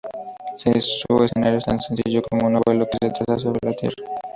Su escenario es tan sencillo como un óvalo que se traza sobre la tierra.